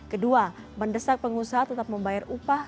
kedua mendesak pengusaha tetap membayar upah